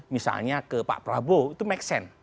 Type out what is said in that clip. misalnya ke pak prabowo itu make sense